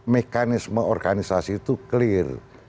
mekanisme organisasi itu clear